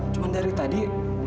cuma dari tadi